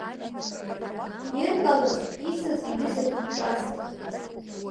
Иркалан ицыз иҩыза диҿаст.